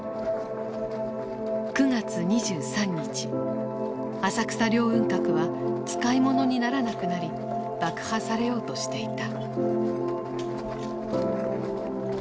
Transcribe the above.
９月２３日浅草凌雲閣は使い物にならなくなり爆破されようとしていた。